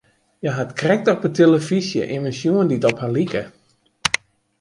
Hja hat krekt op 'e telefyzje immen sjoen dy't op har like.